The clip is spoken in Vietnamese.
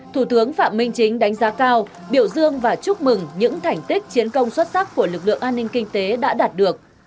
thủ tướng phạm minh chính đánh giá cao biểu dương và chúc mừng những thành tích chiến công xuất sắc của lực lượng an ninh kinh tế đã đạt được